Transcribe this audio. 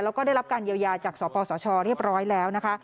แล้วก็ได้รับการเยียวยาจากสปสชเรียบร้อยแล้วนะคะ